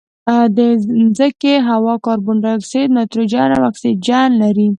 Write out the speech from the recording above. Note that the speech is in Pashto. د مځکې هوا کاربن ډای اکسایډ، نایتروجن او اکسیجن لري.